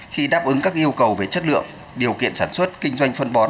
khi đáp ứng các yêu cầu về chất lượng điều kiện sản xuất kinh doanh phân bón